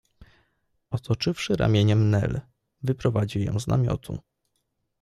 Otoczywszy ramieniem Nel, wyprowadził ją z namiotu.